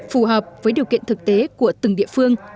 phù hợp với điều kiện thực tế của từng địa phương